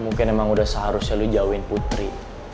mungkin emang udah seharusnya lo jauhin putri